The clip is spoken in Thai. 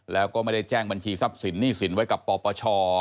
แล้วก็ไม่ได้แจ้งบัญชีทรัพย์สินหนี้สินไว้กับปปช